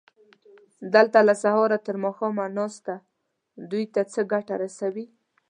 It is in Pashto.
دلته له سهاره تر ماښامه ناسته دوی ته څه ګټه رسوي؟